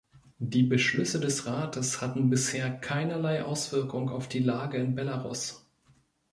Die Beschlüsse des Rates hatten bisher keinerlei Auswirkung auf die Lage in Belarus.